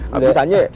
abis aja ya